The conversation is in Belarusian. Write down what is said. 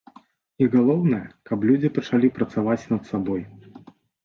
І галоўнае, каб людзі пачалі працаваць над сабой.